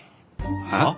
はあ？